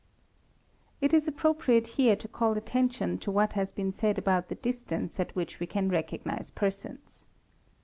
10. It is appropriate here to call attention to what has been said 'about the distance at which we can recognize persons.